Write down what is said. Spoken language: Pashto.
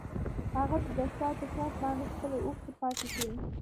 هغه د دستار په شف باندې خپلې اوښکې پاکې کړې.